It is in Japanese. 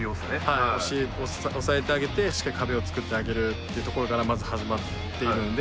お尻、抑えてあげてしっかり壁を作ってあげるってところからまず始まっているんで。